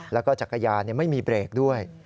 แล้วก็จักรยานไม่มีเบรกด้วย